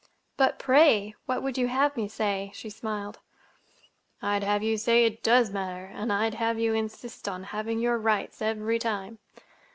"But, pray, what would you have me say?" she smiled. "I'd have you say it does matter, and I'd have you insist on having your rights, every time."